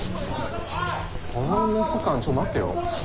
このメス感ちょっと待てよ。